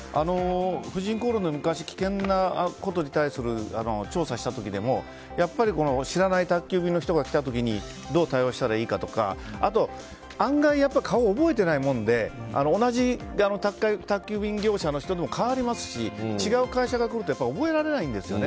「婦人公論」で昔、危険なことに対する調査をした時でもやっぱり知らない宅急便の人が来た時にどう対応したらいいかとかあと案外顔を覚えてないもので同じ宅急便業者の人でも変わりますし、違う会社が来ると覚えられないんですよね。